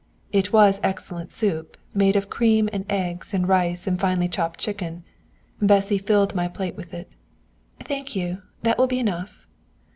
It was excellent soup, made of cream and eggs and rice and finely chopped chicken. Bessy filled my plate with it. "Thank you, that will be enough."